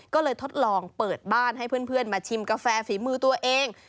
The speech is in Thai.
ก็เลยทดลองเปิดบ้านให้เพื่อนมาชิมกาแฟฝีมือตัวเอง